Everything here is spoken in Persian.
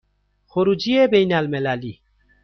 خروجی بین المللی